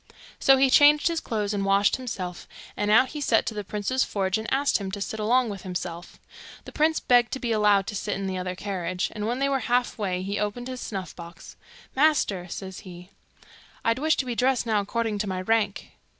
So he changed his clothes, and washed himself, and out he set to the prince's forge and asked him to sit along with himself. The prince begged to be allowed to sit in the other carriage, and when they were half way he opened his snuff box. 'Master,' says he, 'I'd wish to be dressed now according to my rank.